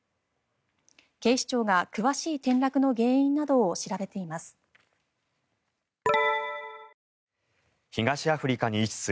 警視庁が詳しい転落の原因などを調べています。